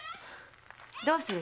どうするの？